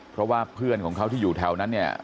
เพราะว่าเพื่อนของเขาที่อยู่แถวนั้นเนี่ย